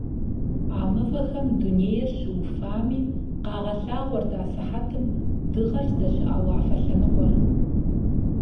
А мывэхэм дунейр щыуфами къагъэлъагъуэрт асыхьэтым дыгъэр здэщыӀэ уафэ лъэныкъуэр.